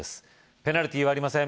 ペナルティーはありません